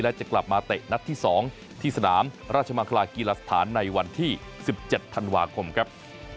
และจะกลับมาเตะนัดที่๒ที่สนามราชมังคลากีฬาสถานในวันที่๑๗ธันวาคมครับ